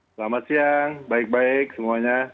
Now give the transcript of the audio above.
selamat siang baik baik semuanya